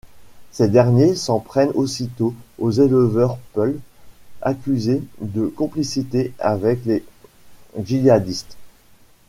Ces derniers s'en prennent aussitôt aux éleveurs peuls, accusés de complicité avec les djihadistes.